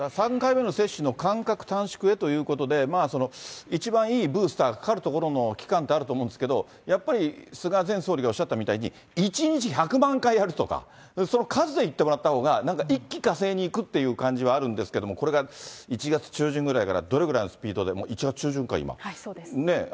３回目の接種の間隔短縮へということで、一番いいブースターがかかるところの期間ってあると思うんですけど、やはり菅前総理がおっしゃったみたいに、１日１００万回やるとか、その数で言ってもらったほうがなんか一気呵成にいくという感じはあるんですけども、これが１月中旬ぐらいからどれぐらいのスピーはい、そうです。